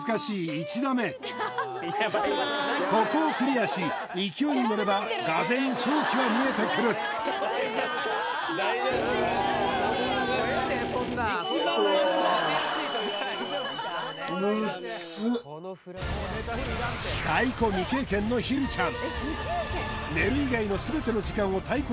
１打目ここをクリアし勢いに乗れば俄然勝機は見えてくる太鼓未経験のひるちゃん